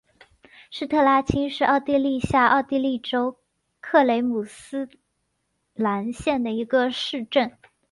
施特拉青是奥地利下奥地利州克雷姆斯兰县的一个市镇。